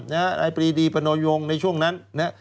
ในปรีดีปนโยงในช่วงนั้น